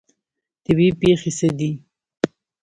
طبیعي پیښې څه دي؟